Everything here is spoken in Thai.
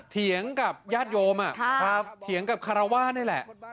เถียงกับญาติโยมเถียงกับคารวาสนี่แหละ